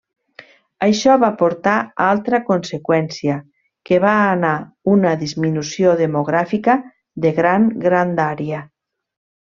Això va portar altra conseqüència, que va anar una disminució demogràfica de gran grandària.